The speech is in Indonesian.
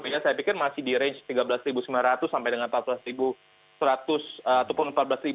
saya pikir masih di range tiga belas sembilan ratus sampai dengan empat belas seratus ataupun empat belas